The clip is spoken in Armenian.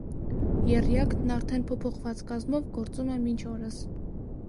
Եռյակն՝ արդեն փոփոխված կազմով, գործում է մինչ օրս։